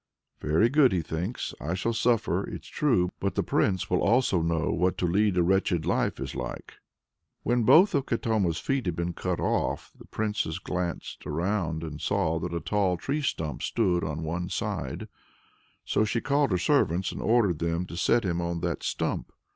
"Very good," he thinks; "I shall suffer, it's true; but the Prince also will know what to lead a wretched life is like!" When both of Katoma's feet had been cut off, the Princess glanced around, and saw that a tall tree stump stood on one side; so she called her servants and ordered them to set him on that stump.